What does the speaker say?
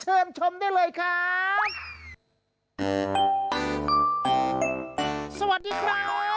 เกิดไม่ทันอ่ะ